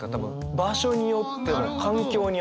場所によっても環境によっても。